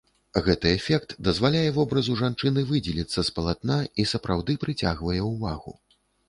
Гэты эфект дазваляе вобразу жанчыны выдзеліцца з палатна і сапраўды прыцягвае ўвагу.